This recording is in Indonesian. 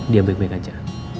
dia baik baik aja